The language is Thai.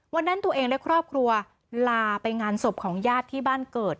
วันนั้นตัวเองและครอบครัวลาไปงานศพของญาติที่บ้านเกิด